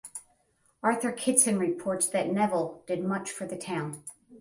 Arthur Kidson reports that Neville "did much for the town".